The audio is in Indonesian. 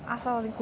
asal kuncinya ya